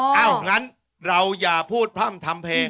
อย่างนั้นเราอย่าพูดพร่ำทำเพลง